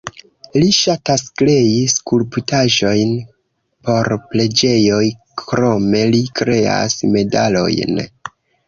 Li ŝatas krei skulptaĵojn por preĝejoj, krome li kreas medalojn.